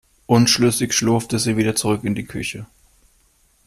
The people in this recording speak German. Unschlüssig schlurfte sie wieder zurück in die Küche.